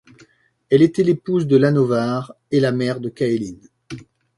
Elle était l'épouse de Lannovar et la mère de Kaelin.